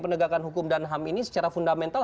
penegakan hukum dan ham ini secara fundamental